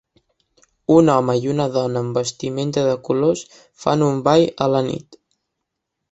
Un home i una dona amb vestimenta de colors fan un ball a la nit